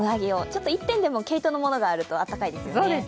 ちょっと１点でも毛糸のものがあると暖かいですよね。